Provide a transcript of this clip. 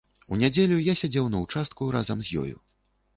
У нядзелю я сядзеў на ўчастку разам з ёю.